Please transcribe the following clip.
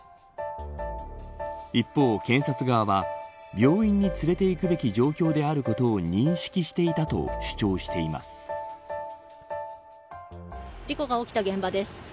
一方、検察側は病院に連れて行くべき状況であることを認識していたと主張しています。